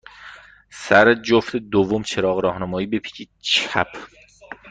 سر جفت دوم چراغ راهنمایی، بپیچید چپ.